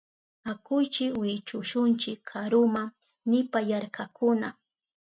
Akuychi wichushunchi karuma, nipayarkakuna.